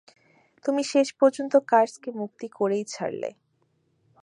তুমি শেষপর্যন্ত কার্সকে মুক্ত করেই ছাড়লে।